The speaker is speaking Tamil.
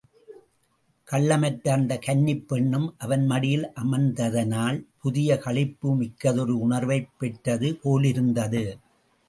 கள்ளமற்ற அந்தக் கன்னிப் பெண்ணும் அவன் மடியில் அமர்ந்ததனால் புதிய களிப்பு மிக்கதொரு உணர்வைப் பெற்றது போலிருந்தது.